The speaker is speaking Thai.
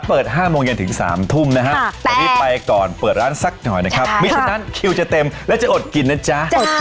เปิด๕โมงเย็นถึง๓ทุ่มนะฮะวันนี้ไปก่อนเปิดร้านสักหน่อยนะครับไม่ฉะนั้นคิวจะเต็มและจะอดกินนะจ๊ะ